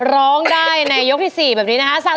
ของลายให้ล้าง